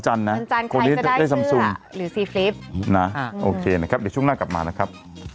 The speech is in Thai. ๐หรือซีฟลิปนะอะโอเคนะครับช่วยหน้ากลับมากับ